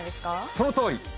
そのとおり。